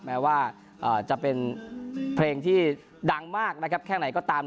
แม้ว่าจะเป็นเพลงที่ดังมากนะครับแค่ไหนก็ตาม